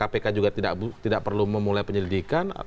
kpk juga tidak perlu memulai penyelidikan